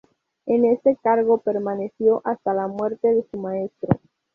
En ese cargo permaneció hasta la muerte de su maestro.